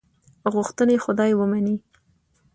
غوښتنې خدای ومني.